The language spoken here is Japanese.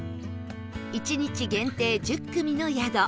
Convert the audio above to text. １日限定１０組の宿